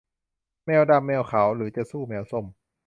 แมวดำแมวขาวหรือจะสู้แมวส้ม